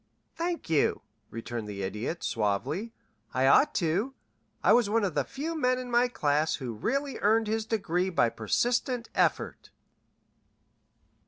"Thank you," returned the Idiot, suavely. "I ought to. I was one of the few men in my class who really earned his degree by persistent effort."